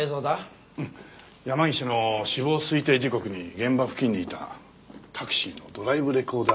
山岸の死亡推定時刻に現場付近にいたタクシーのドライブレコーダーの映像。